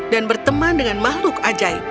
dan berteman dengan makhluk ajaib